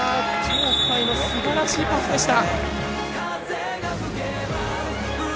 鳥海のすばらしいパスでした。